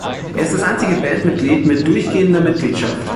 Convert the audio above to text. Er ist das einzige Bandmitglied mit durchgehender Mitgliedschaft.